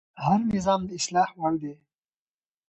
هر نظام د اصلاح وړ وي